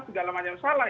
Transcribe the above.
segala macam yang salah